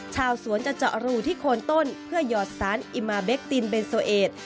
ชาวสวนจะเจาะรูที่โคนต้นเพื่อหยอดสารอิมาเบคตินเบนโซเอส